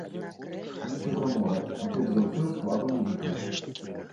Мінскага мора, а перш за ўсё складам музыкаў.